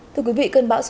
thưa quý vị cơn bão số bốn